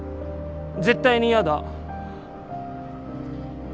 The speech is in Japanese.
絶対に嫌だ。